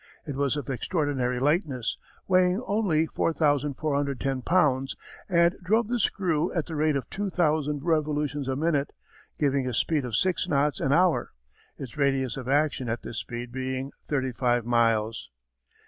It was of extraordinary lightness, weighing only 4410 pounds, and drove the screw at the rate of two thousand revolutions a minute, giving a speed of six knots an hour, its radius of action at this speed being thirty five miles.